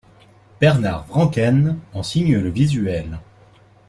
Bernard Vrancken en signe le visuel.